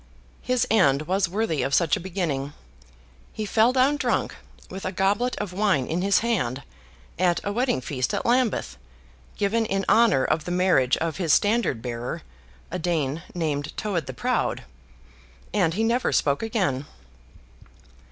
His end was worthy of such a beginning. He fell down drunk, with a goblet of wine in his hand, at a wedding feast at Lambeth, given in honour of the marriage of his standard bearer, a Dane named Towed the Proud. And he never spoke again.